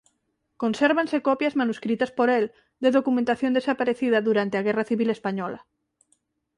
Consérvanse copias manuscritas por el de documentación desaparecida durante a guerra civil española.